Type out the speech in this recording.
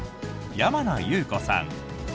山名裕子さん。